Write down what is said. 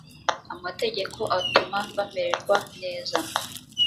amategeko atuma bamererwa neza